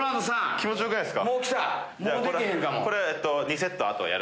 気持ちよくないっすか？